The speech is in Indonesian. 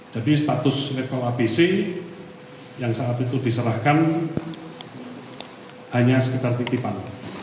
jadi status letol abisi yang saat itu diserahkan hanya sekitar titipan